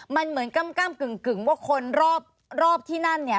มันเหมือนกล้ำกล้ำกึ่งว่าคนรอบที่นั่น